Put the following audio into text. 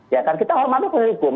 ya kan kita hormatnya pun hukum